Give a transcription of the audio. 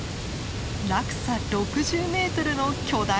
落差６０ｍの巨大滝です。